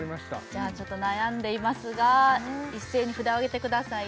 じゃあちょっと悩んでいますが一斉に札をあげてください